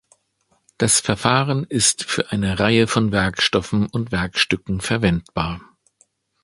Das Verfahren ist für eine Reihe von Werkstoffen und Werkstücken verwendbar.